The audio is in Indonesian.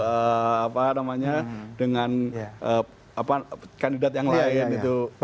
apa namanya dengan kandidat yang lain itu